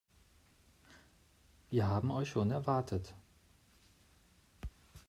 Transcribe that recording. Wir haben euch schon erwartet.